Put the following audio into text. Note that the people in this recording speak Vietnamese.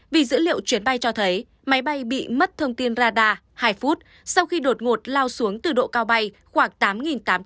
vì dữ liệu chuyến bay cho thấy máy bay bị mất thông tin radar hai phút sau khi đột ngột lao xuống từ độ cao bay khoảng tám tám trăm sáu mươi chín m